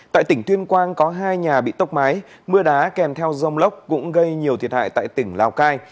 tại tỉnh tuyên quang có hai nhà bị tốc mái mưa đá kèm theo dông lốc cũng gây nhiều thiệt hại tại tỉnh lào cai